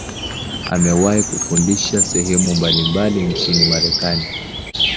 Amewahi kufundisha sehemu mbalimbali nchini Marekani.